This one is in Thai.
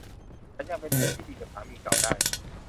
ฉันยังเป็นเพื่อนที่ดีกับสามีเก่าได้